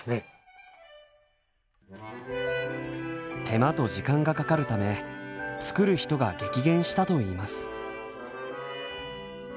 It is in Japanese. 手間と時間がかかるため作る人が激減したといいます。